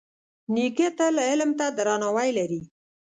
نیکه تل علم ته درناوی لري.